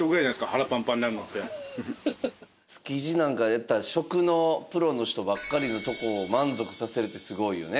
築地なんか言ったら食のプロの人ばっかりのとこを満足させるってすごいよね。